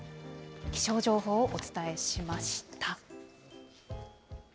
気象情報をお伝えしました。